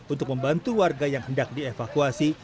untuk membantu warga yang hendak dievakuasi